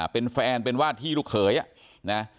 เป็นแฟนเป็นวาดที่ลูกเขยนะ